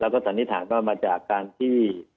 ก็สันนิษฐานว่ามาจากการที่